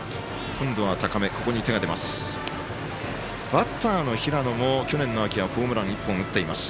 バッターの平野も去年の秋はホームランを１本打っています。